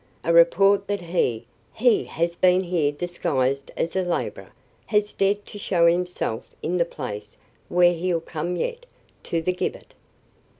"A report that he he has been here disguised as a laborer, has dared to show himself in the place where he'll come yet, to the gibbet."